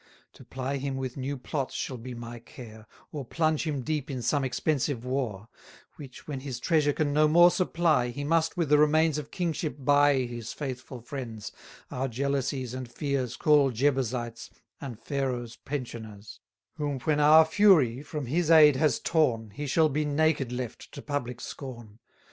To ply him with new plots shall be my care; Or plunge him deep in some expensive war; Which, when his treasure can no more supply, He must with the remains of kingship buy His faithful friends, our jealousies and fears Call Jebusites, and Pharaoh's pensioners; Whom when our fury from his aid has torn, He shall be naked left to public scorn.